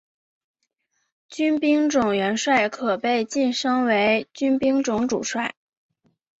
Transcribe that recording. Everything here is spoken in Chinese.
军兵种元帅可被晋升为军兵种主帅。